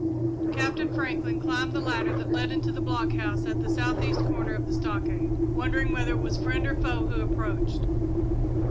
Captain Franklin climbed the ladder that led into the blockhouse at the south east corner of the stockade, wondering whether it was friend or foe who approached.